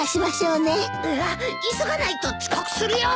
うわっ急がないと遅刻するよ。